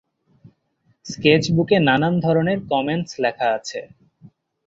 স্কেচবুকে নানান ধরনের কমেন্টস লেখা আছে।